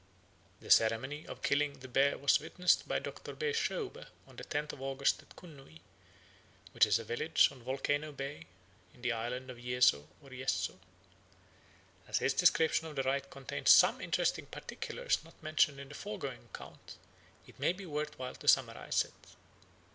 The ceremony of killing the bear was witnessed by Dr. B. Scheube on the tenth of August at Kunnui, which is a village on Volcano Bay in the island of Yezo or Yesso. As his description of the rite contains some interesting particulars not mentioned in the foregoing account, it may be worth while to summarize it.